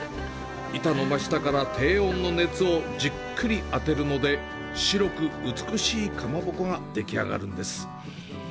板の真下から低温の熱をじっくり当てるので白く美しいかまぼこができ上がるんです。